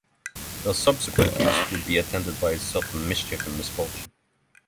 Their subsequent use would be attended by certain mischief or misfortune.